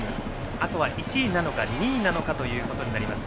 あとは１位なのか、２位なのかということになります。